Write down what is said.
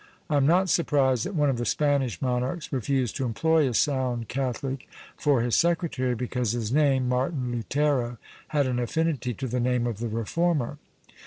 I am not surprised that one of the Spanish monarchs refused to employ a sound catholic for his secretary, because his name (Martin Lutero) had an affinity to the name of the reformer.